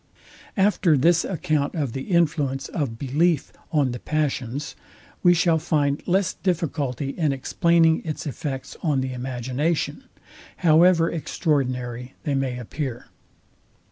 After this account of the influence of belief on the passions, we shall find less difficulty in explaining its effects on the imagination, however extraordinary they may appear.